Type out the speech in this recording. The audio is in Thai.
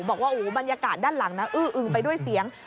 บอกว่าบรรยากาศด้านหลังอื้อไปด้วยเสียง